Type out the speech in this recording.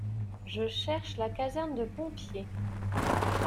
Je cherche la caserne de pompiers.